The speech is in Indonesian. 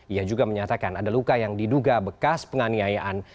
ia juga menyatakan ada luka yang diduga bekas penganiayaan